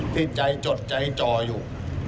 ที่ใจจดใจจ่ออยู่